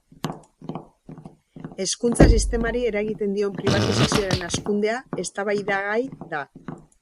Hezkuntza-sistemari eragiten dion pribatizazioaren hazkundea eztabaidagai da.